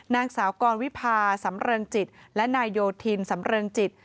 นางสาวกรวิพาสำเริงจิตและนายโยธินสำเริงจิต